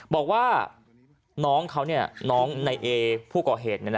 บอกว่าน้องเขาน้องในเอผู้ก่อเหตุ